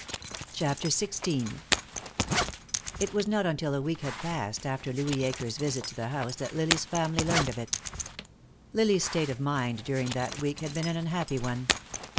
CHAPTER XVI It was not until a week had passed after Louis Akers' visit to the house that Lily's family learned of it. Lily's state of mind during that week had been an unhappy one.